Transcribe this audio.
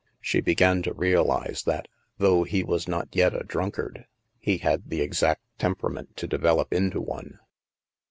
She began to realize that though he was not yet a drunkard, he had the exact tempera 136 THE MASK merit to develop into one.